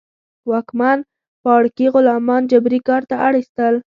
واکمن پاړکي غلامان جبري کار ته اړ اېستل.